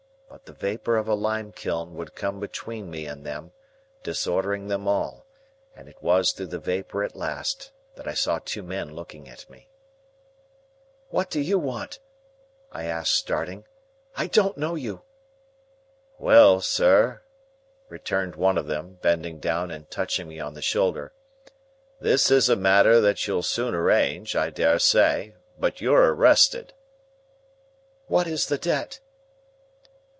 But the vapour of a limekiln would come between me and them, disordering them all, and it was through the vapour at last that I saw two men looking at me. "What do you want?" I asked, starting; "I don't know you." "Well, sir," returned one of them, bending down and touching me on the shoulder, "this is a matter that you'll soon arrange, I dare say, but you're arrested." "What is the debt?"